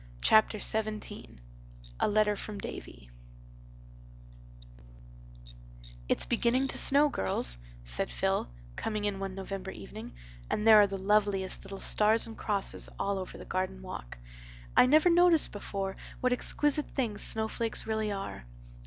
Chapter XVII A Letter from Davy "It's beginning to snow, girls," said Phil, coming in one November evening, "and there are the loveliest little stars and crosses all over the garden walk. I never noticed before what exquisite things snowflakes really are.